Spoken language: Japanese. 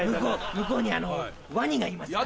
向こうにワニがいますから。